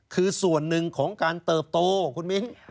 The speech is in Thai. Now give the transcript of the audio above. คือส่วนหนึ่งของการเติบโตคุณมิ้น